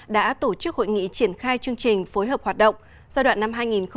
đã tổ chức hội nghị triển khai chương trình phối hợp hoạt động giai đoạn năm hai nghìn hai mươi hai nghìn hai mươi năm